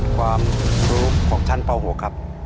ความรู้ของชั้นป๖ครับ